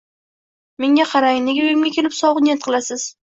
Menga qarang, nega uyimga kelib sovuq niyat qilasiz